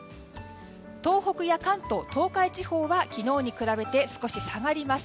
東北や関東・東海地方は昨日に比べて少し下がります。